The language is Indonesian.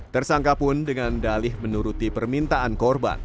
tersangka pun dengan dalih menuruti permintaan korban